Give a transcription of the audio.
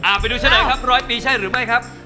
อ่าไปดูเฉยครับ๑๐๐ปีใช่หรือไม่ครับ